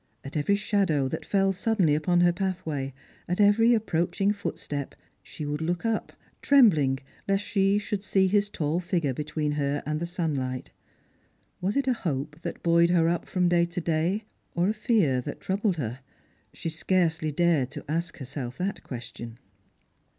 At every shadow that fell suddenly upon her pathway, at every approaching footstep, she would look up, trembling lest she should see his tall figure between her and the sunlight. Was it a hope that buoyed her up from day to day, or a fear that troubled her ? She scarcely dared to ask herself that question.